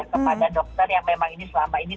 kepada dokter yang memang ini selama ini